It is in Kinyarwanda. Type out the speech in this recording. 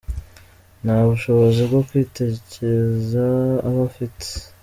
Nta bushobozi bwo kwitekerereza aba afite.